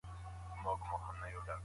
څه شی موږ د نه ویلو پر مهال وېروي؟